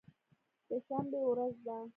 د شنبې ورځ وه.